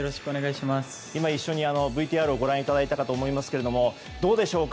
今一緒にＶＴＲをご覧いただいたかと思いますがどうでしょうか